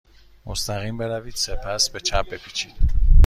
مستقیم بروید. سپس به چپ بپیچید.